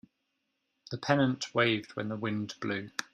The pennant waved when the wind blew.